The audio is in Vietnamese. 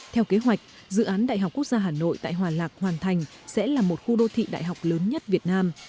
theo kế hoạch dự án đại học quốc gia hà nội tại hòa lạc hoàn thành sẽ là một khu đô thị đại học lớn nhất việt nam